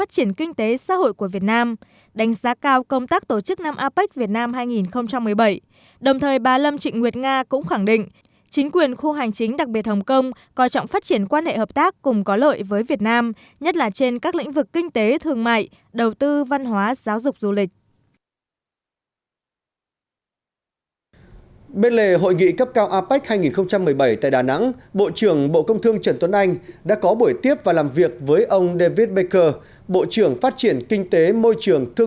với vai trò lấn ước chủ nhà apec hai nghìn một mươi bảy bộ trưởng trần tuấn anh đã có buổi tiếp và làm việc với ông david baker